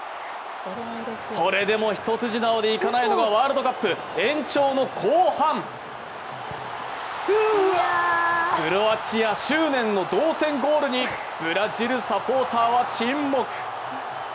それでも一筋縄でいかないのがワールドカップ、延長の後半、クロアチア、執念の同点ゴールにブラジルサポーターは沈黙。